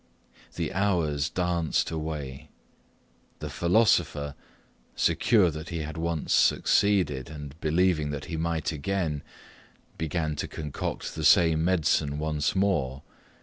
The hours danced away. The philosopher, secure that he had once succeeded, and believing that he might again, began to concoct the same medicine once more.